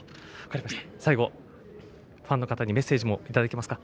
最後、ファンの方にメッセージをいただけますか。